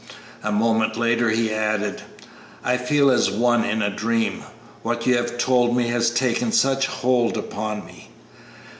A moment later he added: "I feel as one in a dream; what you have told me has taken such hold upon me."